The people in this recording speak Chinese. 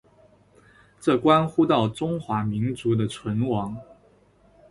这关乎到中华民族的存亡。